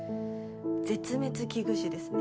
絶滅危惧種ですね。